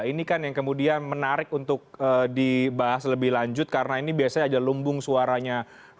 ini kan yang kemudian menarik untuk dibahas lebih lanjut karena ini biasanya ada lumbung suaranya